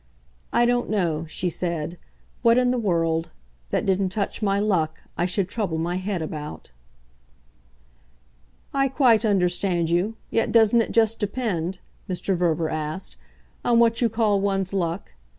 I don't know," she said, "what in the world that didn't touch my luck I should trouble my head about." "I quite understand you yet doesn't it just depend," Mr. Verver asked, "on what you call one's luck?